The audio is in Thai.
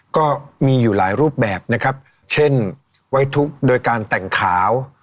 ก็มีอยู่หลายรูปแบบนะครับเช่นไว้ทุกข์โดยการแต่งขาว